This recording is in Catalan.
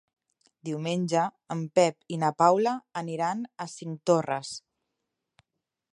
Diumenge en Pep i na Paula aniran a Cinctorres.